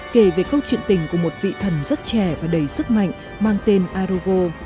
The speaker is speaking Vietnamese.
kể về câu chuyện tình của một vị thần rất trẻ và đầy sức mạnh mang tên arogo